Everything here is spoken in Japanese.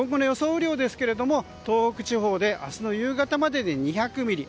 雨量ですが東北地方で明日の夕方までで２００ミリ